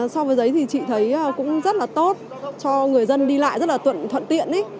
so với giấy thì chị thấy cũng rất là tốt cho người dân đi lại rất là thuận tiện